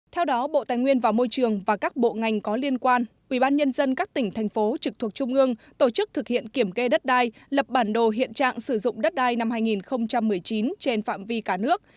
theo đó bộ tài nguyên và môi trường và các bộ ngành có liên quan ubnd các tỉnh thành phố trực thuộc trung ương tổ chức thực hiện kiểm kê đất đai lập bản đồ hiện trạng sử dụng đất đai năm hai nghìn một mươi chín trên phạm vi cả nước